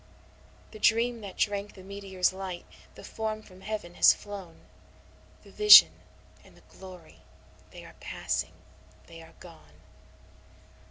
The dream that drank the meteor's light the form from Heav'n has flown The vision and the glory, they are passing they are gone.